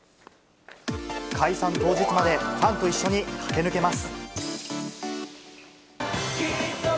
解散当日まで、ファンと一緒に駆け抜けます。